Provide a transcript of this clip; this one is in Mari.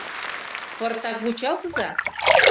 — Пыртак вучалтыза.